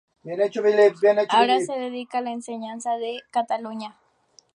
Ahora se dedica a la enseñanza en Cataluña.